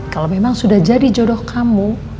kalau memang sudah jadi jodoh kamu